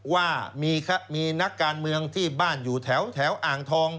ว่ามีนักการเมืองที่บ้านอยู่แถวอ่างทอง